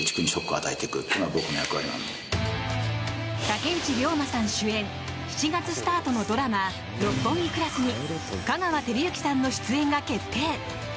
竹内涼真さん主演７月スタートのドラマ「六本木クラス」に香川照之さんの出演が決定。